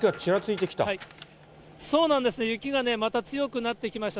そうなんですね、雪がまた強くなってきました。